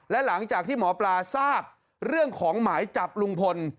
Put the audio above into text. และหลังจากที่หมอปลาทราบเรื่องของหมายจับลุงพล